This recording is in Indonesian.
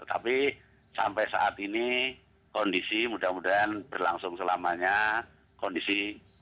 tapi sampai saat ini kondisi mudah mudahan berlangsung selamanya kondisi